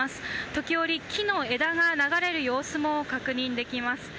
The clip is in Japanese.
時折、木の枝が流れる様子も確認できます。